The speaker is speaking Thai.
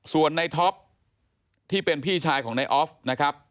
ส่วนในท็อปที่เป็นพี่ชายของนายออฟนะครับ